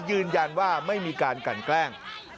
ยืนยันว่าไม่มีการกันแกล้ง